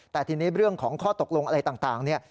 แต่ทีนี้เรื่องของข้อตกลงอะไรต่างเนี่ย